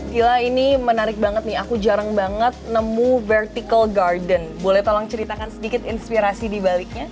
gila ini menarik banget nih aku jarang banget nemu vertical garden boleh tolong ceritakan sedikit inspirasi dibaliknya